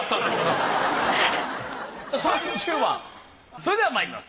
それではまいります！